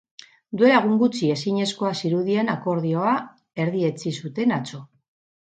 Duela egun gutxi ezinezkoa zirudien akordioa erdietsi zuten atzo.